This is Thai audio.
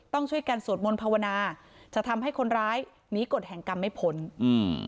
ต้องช่วยกันสวดมนต์ภาวนาจะทำให้คนร้ายหนีกฎแห่งกรรมไม่พ้นอืม